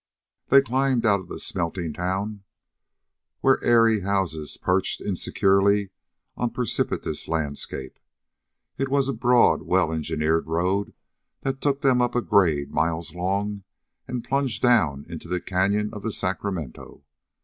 They climbed out of the smelting town, where eyrie houses perched insecurely on a precipitous landscape. It was a broad, well engineered road that took them up a grade miles long and plunged down into the Canyon of the Sacramento.